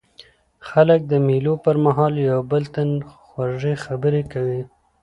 خلک د مېلو پر مهال یو بل ته خوږې خبري کوي.